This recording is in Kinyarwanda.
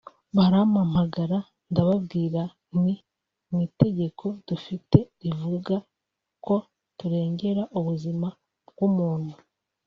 barampamagara ndababwira nti ‘ mu itegeko dufite rivuga ko turengera ubuzima bw’umuntu